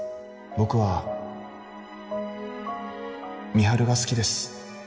美晴が好きです